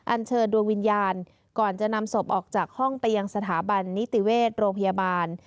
เชิญดวงวิญญาณก่อนจะนำศพออกจากห้องไปยังสถาบันนิติเวชโรงพยาบาล